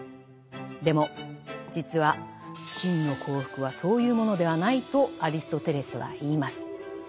でも実は「真の幸福」はそういうものではないとアリストテレスは言います。